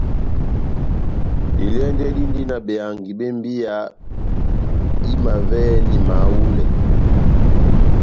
Ilɛ́ndɛ́ dindi na behangi bé mbiya imavɛhɛni mahulɛ.